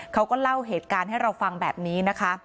เขาก็เล่าเหตุการณ์ให้เราฟังแบบนี้นะคะ